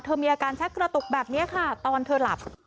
มีอาการชักกระตุกแบบนี้ค่ะตอนเธอหลับ